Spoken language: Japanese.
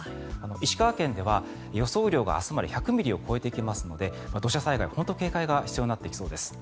石川県では予想雨量が明日まで１００ミリを超えてきますので土砂災害に本当に警戒が必要になってきそうです。